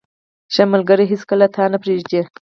• ښه ملګری هیڅکله تا نه پرېږدي.